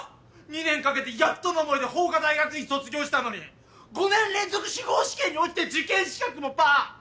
２年かけてやっとの思いで法科大学院卒業したのに５年連続司法試験に落ちて受験資格もパア！